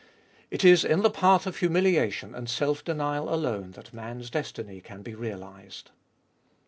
It is in the path of humiliation and self denial alone that man's destiny can be realised.